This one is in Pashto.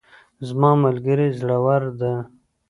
زما ملګری زړور ده